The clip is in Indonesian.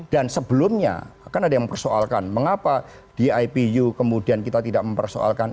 dan sebelumnya kan ada yang mempersoalkan mengapa di ipu kemudian kita tidak mempersoalkan